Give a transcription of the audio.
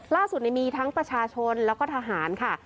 ล่าสุดมีทั้งประชาชนแล้วก็ทหารค่ะ